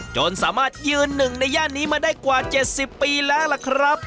จนสามารถยืนหนึ่งในย่านนี้มาได้กว่า๗๐ปีแล้วล่ะครับ